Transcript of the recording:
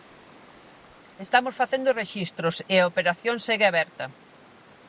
Estamos facendo rexistros e a operación segue aberta.